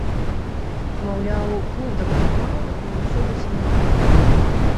Маўляў, клуб дапамагаў, і ўсё зусім не так.